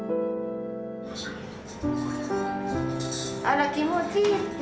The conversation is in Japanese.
あら気持ちいいって。